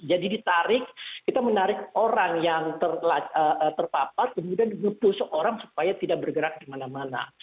jadi ditarik kita menarik orang yang terpapar kemudian dipusuk orang supaya tidak bergerak di mana mana